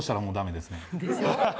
でしょ？